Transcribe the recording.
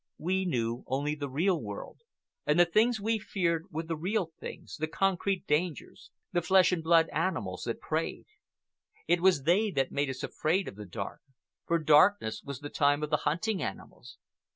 We knew only the real world, and the things we feared were the real things, the concrete dangers, the flesh and blood animals that preyed. It was they that made us afraid of the dark, for darkness was the time of the hunting animals.